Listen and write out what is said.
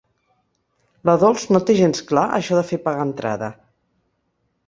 La Dols no té gens clar això de fer pagar entrada.